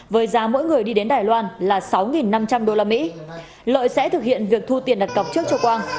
với giá mỗi người đi đến đài loan là sáu năm trăm linh usd lợi sẽ thực hiện việc thu tiền đặt cọc trước cho quang